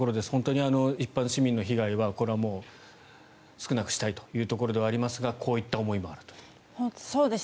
本当に一般市民の被害はこれはもう少なくしたいというところではありますがこういった思いもあるという。